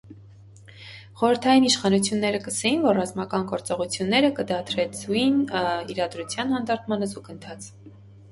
Խորհրդային իշխանութիւնները կ՛ըսէին, որ ռազմական գործողութիւնները կը դադրեցուին իրադրութեան հանդարտմանը զուգընթաց։